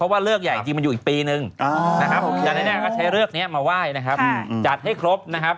มาไหว้นะครับจัดให้ครบนะครับ